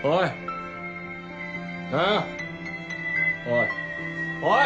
おいおい！